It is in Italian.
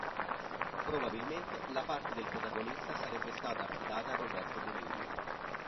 Probabilmente la parte del protagonista sarebbe stata affidata a Roberto Benigni.